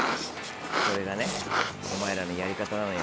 これがねお前らのやり方なのよ。